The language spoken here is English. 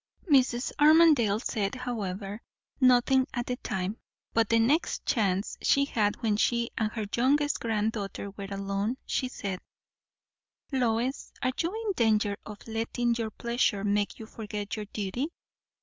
Mrs. Armadale said, however, nothing at the time. But the next chance she had when she and her youngest granddaughter were alone, she said, "Lois, are you in danger of lettin' your pleasure make you forget your duty?"